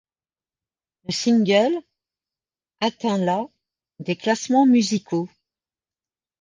Le single ' atteint la des classements musicaux.